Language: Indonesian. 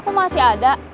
kok nama aku masih ada